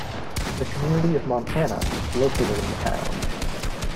The community of Montana is located in the town.